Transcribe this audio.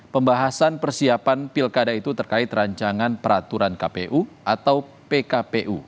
pembahasan persiapan pilkada itu terkait rancangan peraturan kpu atau pkpu